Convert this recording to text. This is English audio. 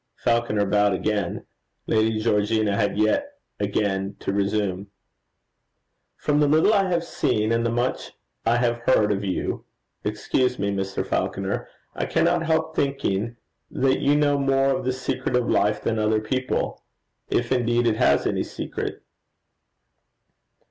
Falconer bowed again. Lady Georgina had yet again to resume. 'From the little I have seen, and the much I have heard of you excuse me, Mr. Falconer I cannot help thinking that you know more of the secret of life than other people if indeed it has any secret.'